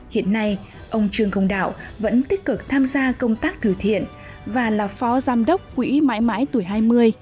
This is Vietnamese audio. hiện nay ông trương công đạo vẫn tích cực tham gia công tác thử thiện và là phó giám đốc quỹ mãi mãi tuổi hai mươi